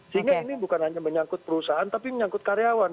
sehingga ini bukan hanya menyangkut perusahaan tapi menyangkut karyawan